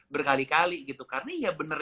berkali kali gitu karena iya bener